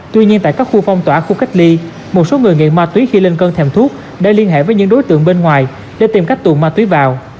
tuy nhiên tại các khu phong tỏa khu cách ly một số người nghiện ma túy khi lên cơn thèm thuốc đã liên hệ với những đối tượng bên ngoài để tìm cách tuồn ma túy vào